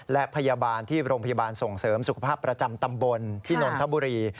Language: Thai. และพยาบาลที่โรงพยาบาลส่งเสริมสุขภาพประจำตำบลที่นนทบุรี